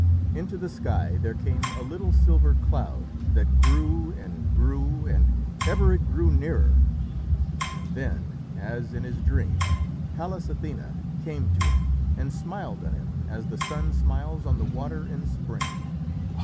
Into the sky there came a little silver cloud that grew and grew, and ever it grew nearer, and then, as in his dream, Pallas Athené came to him and smiled on him as the sun smiles on the water in spring.